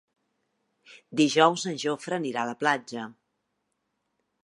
Dijous en Jofre anirà a la platja.